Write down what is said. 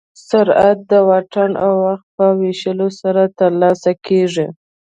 سرعت د واټن او وخت په ویشلو سره ترلاسه کېږي.